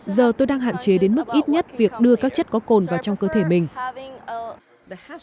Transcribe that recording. giờ tôi đang hạn chế đến mức ít nhất việc đưa các chất có cồn vào trong cơ thể mình